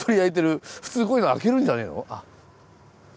普通こういうの開けるんじゃないの？